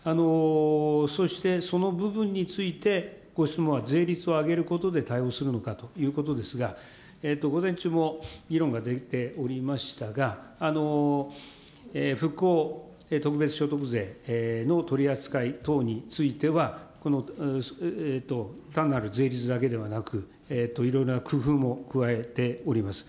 そしてその部分について、ご質問は税率を上げることで対応するのかということですが、午前中も議論が出ておりましたが、復興特別所得税の取り扱い等については、単なる税率だけではなく、いろいろな工夫も加えております。